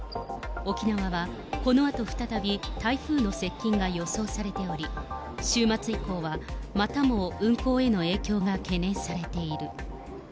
沖縄はこのあと再び台風の接近が予想されており、週末以降はまたも運航への影響が懸念されている。